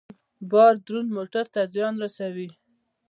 بار دروند موټر ته زیان رسوي.